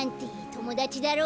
ともだちだろ。